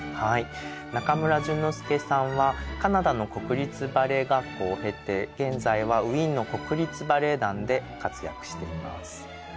中村淳之介さんはカナダの国立バレエ学校を経て現在はウィーンの国立バレエ団で活躍しています。